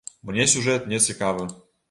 Мне сюжэт не цікавы.